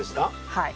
はい。